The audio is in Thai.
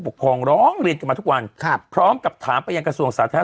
ปกครองร้องเรียนกันมาทุกวันครับพร้อมกับถามไปยังกระทรวงสาธารณ